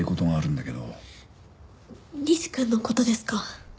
仁志くんの事ですか？